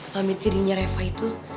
mami tirinya reva itu